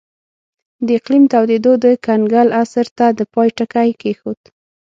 د اقلیم تودېدو د کنګل عصر ته د پای ټکی کېښود